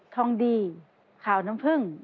ทองดีขาวน้ำผึ้ง